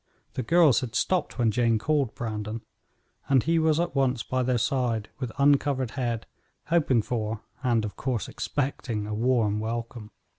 The girls had stopped when Jane called Brandon, and he was at once by their side with uncovered head, hoping for, and, of course, expecting, a warm welcome.